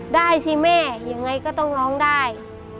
ได้สิแม่ยังไงก็ต้องร้องได้